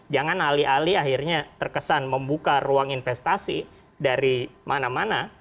jangan alih alih akhirnya terkesan membuka ruang investasi dari mana mana